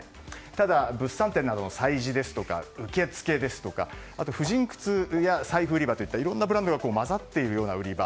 ただ物産展などの催事ですとか受付婦人靴や財布売り場といったいろんなブランドが交ざっているような売り場